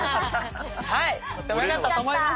はいとってもよかったと思います。